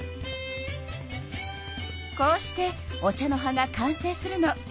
こうしてお茶の葉が完成するの。